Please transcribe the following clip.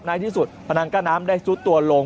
ในที่สุดพนังกั้นน้ำได้ซุดตัวลง